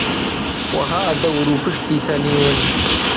وەها دەور و پشتی تەنیون